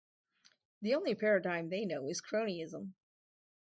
The only paradigm they know is cronyism.